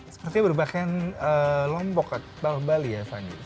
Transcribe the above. sepertinya berpakaian lombok bahwa bali ya fandi